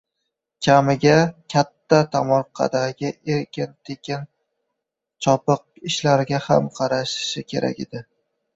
Kamiga, katta tomorqadagi ekin-tikin, chopiq ishlariga ham qarashishi kerak edi